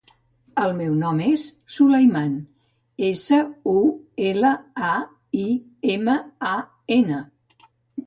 El meu nom és Sulaiman: essa, u, ela, a, i, ema, a, ena.